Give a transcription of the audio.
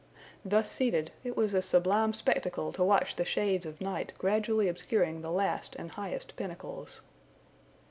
Thus seated, it was a sublime spectacle to watch the shades of night gradually obscuring the last and highest pinnacles.